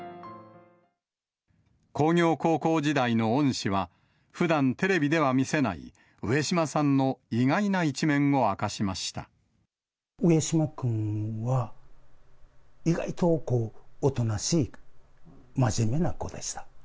工業高校時代の恩師は、ふだんテレビでは見せない、上島さんの意外な一面を明かしま上島君は、意外とおとなしい、真面目な子でした。